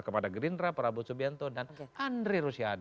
kepada gerindra prabowo sudianto dan andre nusyate